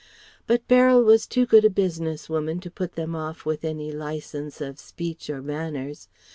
But Beryl was too good a business woman to put them off with any license of speech or manners.